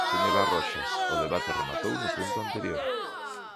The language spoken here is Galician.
Señora Roxas, o debate rematou no punto anterior.